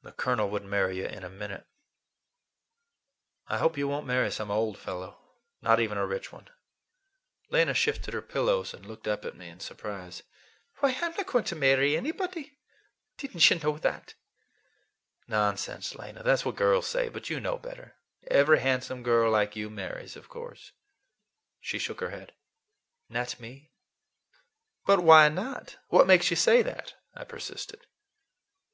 "The Colonel would marry you in a minute. I hope you won't marry some old fellow; not even a rich one." Lena shifted her pillows and looked up at me in surprise. "Why, I'm not going to marry anybody. Did n't you know that?" "Nonsense, Lena. That's what girls say, but you know better. Every handsome girl like you marries, of course." She shook her head. "Not me." "But why not? What makes you say that?" I persisted.